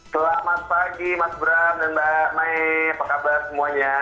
selamat pagi mas bram dan mbak mai apa kabar semuanya